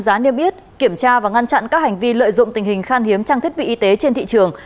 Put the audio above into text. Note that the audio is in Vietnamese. giá niêm yết kiểm tra và ngăn chặn các hành vi lợi dụng tình hình khan hiếm trang thiết bị y tế trên thị trường